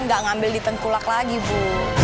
nggak ngambil di tengkulak lagi bu